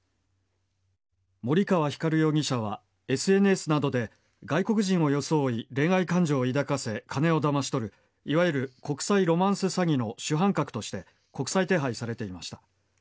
森川光容疑者は、ＳＮＳなどで、外国人を装い、恋愛感情を抱かせ、金をだまし取る、いわゆる国際ロマンス詐欺の主犯格として、国際手配されていました。